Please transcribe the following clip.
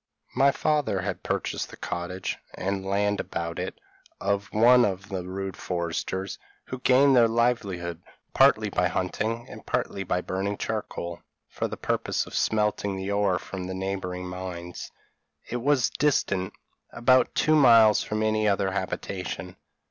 My father had purchased the cottage, and land about it, of one of the rude foresters, who gain their livelihood partly by hunting, and partly by burning charcoal, for the purpose of smelting the ore from the neighbouring mines; it was distant about two miles from any other habitation.